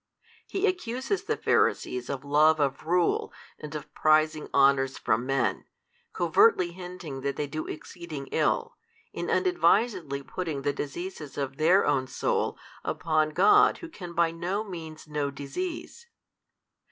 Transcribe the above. He accuses the Pharisees of love of rule and of prizing honours from men, covertly hinting that they do exceeding ill, in unadvisedly putting the diseases of their own soul upon God Who can by no means know disease.